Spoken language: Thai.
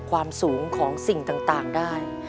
ความสูงของสิ่งต่างได้